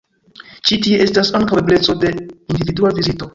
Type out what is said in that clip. Ĉi tie estas ankaŭ ebleco de individua vizito.